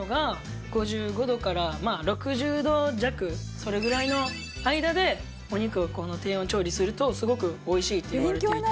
それぐらいの間でお肉を低温調理するとすごく美味しいっていわれていて。